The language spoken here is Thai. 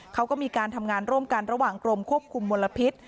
เขาก็มีการทำงานร่วมกันระหว่างกรมควบคุมมลพิษ